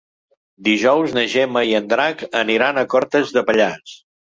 Dijous na Gemma i en Drac aniran a Cortes de Pallars.